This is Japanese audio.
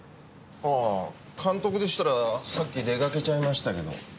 ああ監督でしたらさっき出かけちゃいましたけど。